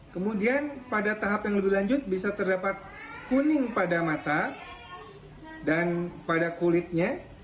kemudian pada tahap yang lebih lanjut bisa terdapat kuning pada mata dan pada kulitnya